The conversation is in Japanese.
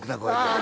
あ